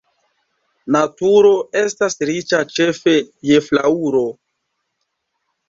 Naturo estas riĉa ĉefe je flaŭro.